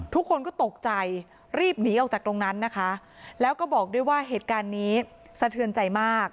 ทุกคนก็ตกใจรีบหนีออกจากตรงนั้นนะคะ